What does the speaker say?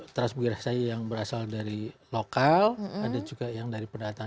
transmigrasi yang berasal dari lokal ada juga yang dari pendatang